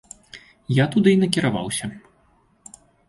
Я туды і накіраваўся.